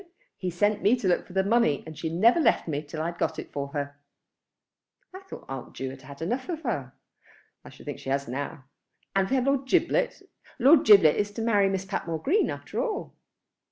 He sent me to look for the money, and she never left me till I had got it for her." "I thought Aunt Ju had had enough of her." "I should think she has now. And we had Lord Giblet. Lord Giblet is to marry Miss Patmore Green after all."